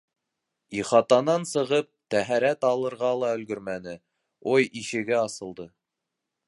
Ихатанан сығып, тәһәрәт алырға ла өлгөрмәне, ой ишеге асылды.